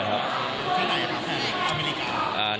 ที่ไหนครับอเมริกา